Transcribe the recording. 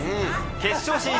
決勝進出